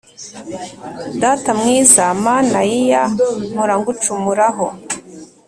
Data mwiza mana year mpora ngucumuraho